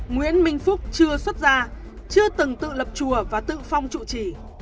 nguyễn minh phúc chưa xuất ra chưa từng tự lập chùa và tự phong trụ trì